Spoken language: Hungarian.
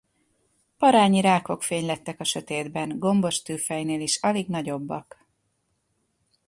Parányi rákok fénylettek a sötétben, gombostűfejnél is alig nagyobbak.